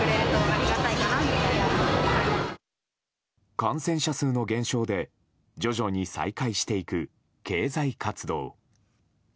感染者数の減少で徐々に再開していく経済活動。